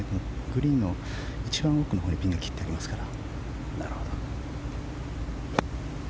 グリーンの一番奥のほうにピンが切ってありますから。